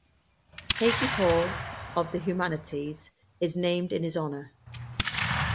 Hagey Hall of the Humanities, is named in his honour.